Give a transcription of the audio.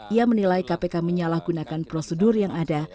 ia menilai kpk menyalahgunakan prosedur yang ada